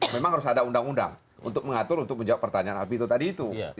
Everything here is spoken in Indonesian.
memang harus ada undang undang untuk mengatur untuk menjawab pertanyaan alvito tadi itu